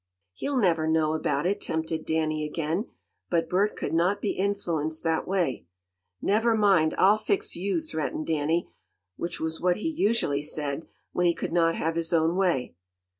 "He'll never know about it," tempted Danny again, but Bert could not be influenced that way. "Never mind, I'll fix you!" threatened Danny, which was what he usually said, when he could not have his own way.